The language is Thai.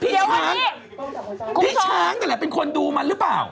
พี่ช้างพี่ช้างนั่นแหละเป็นคนดูมันหรือเปล่า